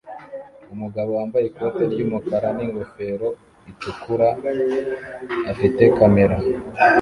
Umugabo wambaye ikote ry'umukara n'ingofero itukura afite kamera